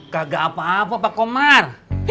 kagak apa apa pak komar